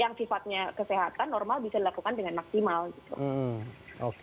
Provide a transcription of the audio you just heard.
yang sifatnya kesehatan normal bisa dilakukan dengan maksimal gitu